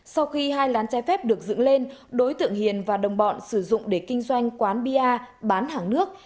sau khi hai lán chai phép được dựng lên đối tượng hiền và đồng bọn sử dụng để kinh doanh quán bia bán hàng nước